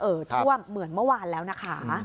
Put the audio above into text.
ท่วมเหมือนเมื่อวานแล้วนะคะ